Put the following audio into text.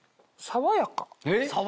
爽やか？